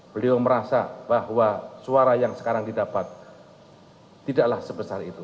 beliau merasa bahwa suara yang sekarang didapat tidaklah sebesar itu